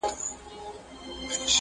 خداى به خوښ هم له سر کار هم له قاضي وي.!